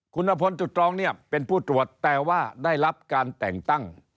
คุณพลจุดตรองเนี่ยเป็นผู้ตรวจแต่ว่าได้รับการแต่งตั้ง